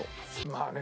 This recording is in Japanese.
まあね